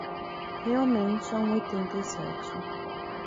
Realmente há um oitenta e sete